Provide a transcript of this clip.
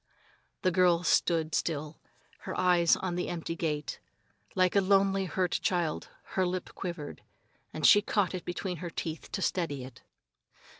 The girl stood still, her eyes on the empty gate. Like a lonely, hurt child her lip quivered, and she caught it between her teeth to steady it.